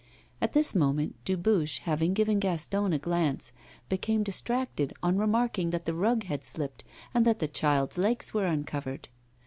At this moment, Dubuche, having given Gaston a glance, became distracted on remarking that the rug had slipped and that the child's legs were uncovered.